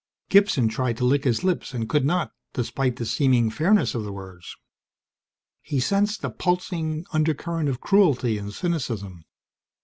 Gibson tried to lick his lips, and could not, despite the seeming fairness of the words. He sensed a pulsing undercurrent of cruelty and cynicism.